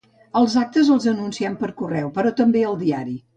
Els actes els anunciem per correu però també al diari.